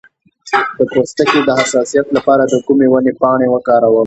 د پوستکي د حساسیت لپاره د کومې ونې پاڼې وکاروم؟